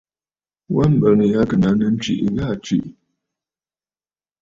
Wa mbəŋ yâ ɨ̀ kɨ nàŋsə ntwìʼi gha aa tswìʼì.